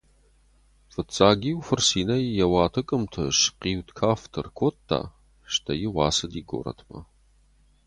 Фыццаг-иу фыр цинӕй йӕ уаты къуымты схъиуд кафт ӕркодта, стӕй-иу ацыди горӕтмӕ.